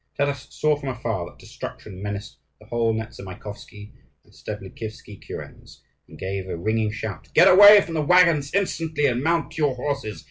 Taras saw from afar that destruction menaced the whole Nezamaikovsky and Steblikivsky kurens, and gave a ringing shout, "Get away from the waggons instantly, and mount your horses!"